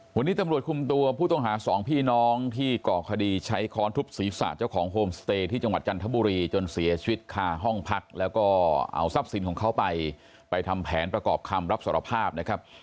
วันนี้ตำรวจคุมตัวผู้ต้องหาสองพี่น้องที่ก่อคดีใช้ค้อนทุบศีรษะเจ้าของโฮมสเตย์ที่จังหวัดจันทบุรีจนเสียชีวิตคาห้องพักแล้วก็เอาทรัพย์สินของเขาไปไปทำแผนประกอบคำรับสารภาพนะครับ